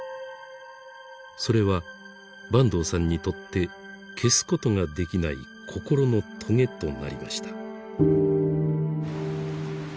それは坂東さんにとって消すことができない心のとげとなりました。